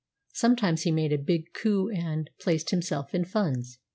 Sometimes he made a big coup and placed himself in funds.